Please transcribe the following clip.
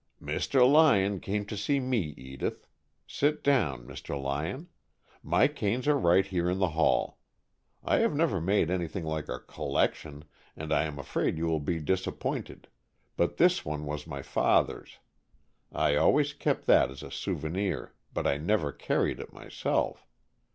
"Mr. Lyon came to see me, Edith. Sit down, Mr. Lyon. My canes are right here in the hall. I have never made anything like a collection, and I am afraid you will be disappointed, but this one was my father's. I've always kept that as a souvenir, but I never carried it myself.